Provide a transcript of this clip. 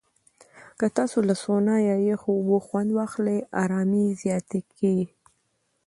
که تاسو له سونا یا یخو اوبو خوند واخلئ، آرامۍ زیاته کېږي.